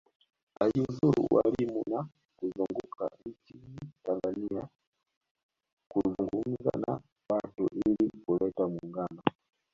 Alijiuzuru ualimu na kuzunguka nchini Tanganyika kuzungumza na watu ili kuleta muungano